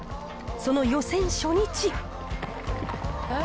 その予選初日。